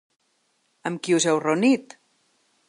Amb qui us heu reunit?